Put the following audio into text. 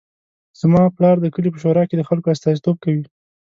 زما پلار د کلي په شورا کې د خلکو استازیتوب کوي